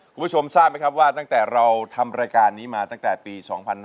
คุณผู้ชมทราบไหมครับว่าตั้งแต่เราทำรายการนี้มาตั้งแต่ปี๒๕๕๙